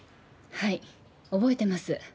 はい覚えてます。